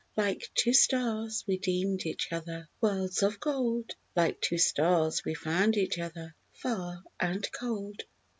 Like two stars we deemed each other Worlds of gold; Like two stars we found each other Far and cold.